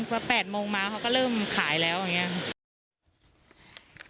พอ๘โมงมาเขาก็เริ่มขายแล้วอย่างนี้